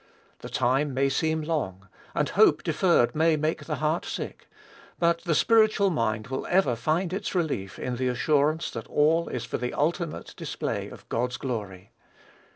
The time may seem long, and hope deferred may make the heart sick; but the spiritual mind will ever find its relief in the assurance that all is for the ultimate display of God's glory.